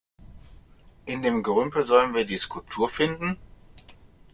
In dem Gerümpel sollen wir die Skulptur finden?